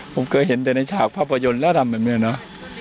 ผมเคยเห็นแต่ในฉากภาพยนตร์แล้วทำแบบนี้เนอะ